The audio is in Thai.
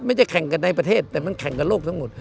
แข่งกันในประเทศแต่มันแข่งกับโลกทั้งหมด